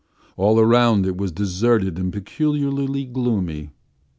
All around it was deserted and peculiarly gloomy.